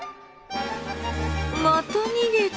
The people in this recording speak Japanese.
また逃げた。